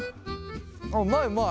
あっうまいうまい。